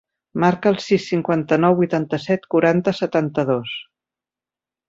Marca el sis, cinquanta-nou, vuitanta-set, quaranta, setanta-dos.